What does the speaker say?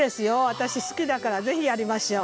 私好きだから是非やりましょう。